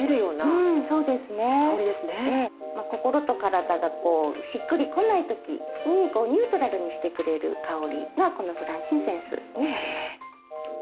心と体がしっくり来ない時にニュートラルにしてくれる香りがこのフランキンセンスになります。